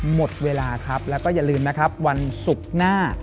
หมดเวลาครับแล้วก็อย่าลืมนะครับวันศุกร์หน้า